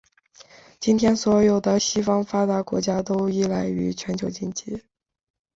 今天所有的西方发达国家都依赖于全球经济。